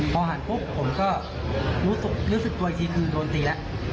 พอหันปุ๊บผมก็รู้สึกตัวอีกทีคือโดนตีแล้ว